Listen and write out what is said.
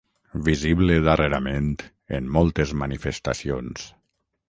Visible darrerament en moltes manifestacions.